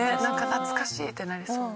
懐かしいってなりそう。